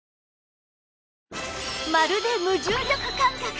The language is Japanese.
まるで無重力感覚！